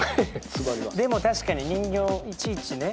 でも確かに人形いちいちね。